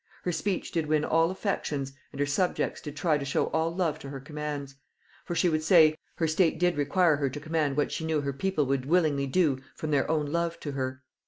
Her speech did win all affections, and her subjects did try to show all love to her commands; for she would say, her state did require her to command what she knew her people would willingly do from their own love to her.